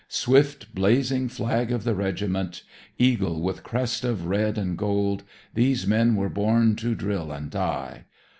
Swift blazing flag of the regiment, Eagle with crest of red and gold, These men were born to drill and die.